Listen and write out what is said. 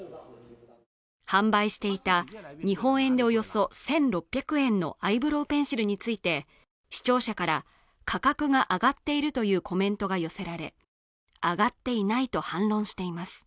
販売していた日本円でおよそ１６００円のアイブロウペンシルについて視聴者から価格が上がっているというコメントが寄せられ上がっていないと反論しています